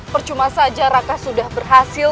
percuma saja raka sudah berhasil